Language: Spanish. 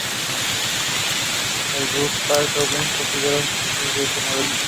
El Buick Park Avenue se considera el sucesor de este modelo.